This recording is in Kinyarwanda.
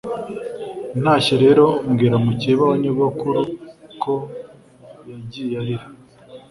ntashye rero mbwira mukeba wa nyogukuru ko yagiye arira,